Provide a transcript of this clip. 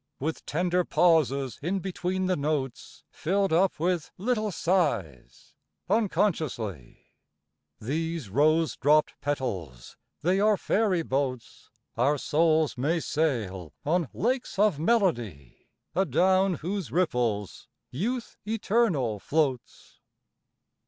With tender pauses in between the notes Filled up with little sighs, unconsciously— These rose dropped petals, they are fairy boats Our souls may sail on lakes of melody Adown whose ripples youth eternal floats.